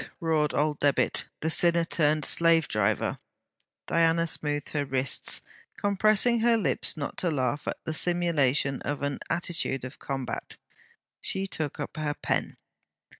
roared old Debit, the sinner turned slavedriver. Diana smoothed her wrists, compressing her lips not to laugh at the simulation of an attitude of combat. She took up her pen.